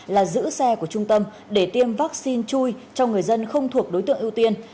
là giữ xe của trung tâm để tiêm vaccine chui cho người dân không thuộc đối tượng ưu tiên